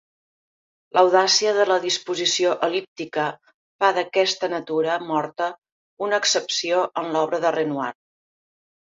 L'audàcia de la disposició el·líptica fa d'aquesta natura morta una excepció en l'obra de Renoir.